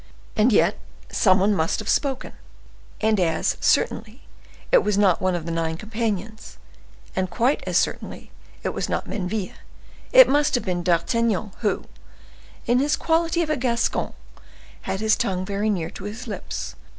And yet some one must have spoken; and as, certainly, it was not one of the nine companions, and quite as certainly, it was not Menneville, it must have been D'Artagnan, who, in his quality of a Gascon, had his tongue very near to his lips.